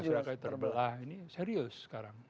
masyarakat terbelah ini serius sekarang